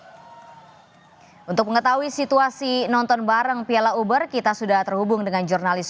hai untuk mengetahui situasi nonton bareng piala uber kita sudah terhubung dengan jurnalis